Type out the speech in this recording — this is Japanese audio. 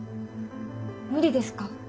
無理ですか？